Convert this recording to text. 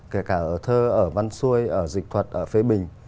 kể cả ở thơ ở văn xuôi ở dịch thuật ở phê bình